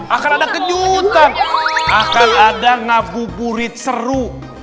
akan ada kejutan akan ada ngabuburit seru